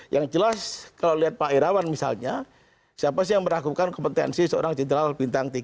yang jelas kalau lihat pak irawan misalnya siapa sih yang meragukan kompetensi seorang jenderal bintang tiga